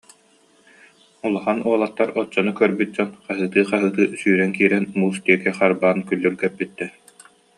Улахан уолаттар, оччону көрбүт дьон, хаһыытыы-хаһыытыы сүүрэн киирэн муус диэки харбаан күл- лүргэппиттэрэ